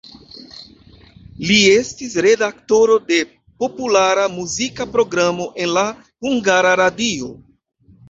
Li estis redaktoro de populara muzika programo en la Hungara Radio.